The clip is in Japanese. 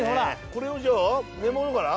これをじゃあ根元から？